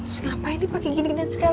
terus ngapain nih pake gini ginian segala